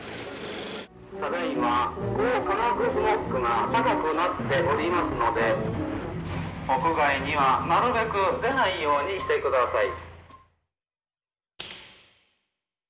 「ただいま光化学スモッグが高くなっておりますので屋外にはなるべく出ないようにしてください」。